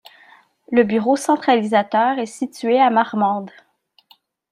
Le bureau centralisateur est situé à Marmande.